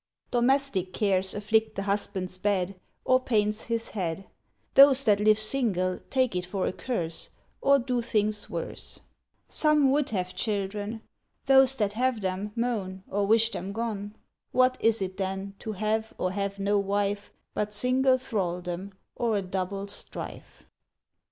Domestic cares afflict the husband's bed, Or pains his head: Those that live single, take it for a curse, Or do things worse: Some would have children: those that have them, moan Or wish them gone: What is it, then, to have or have no wife, But single thraldom, or a double strife?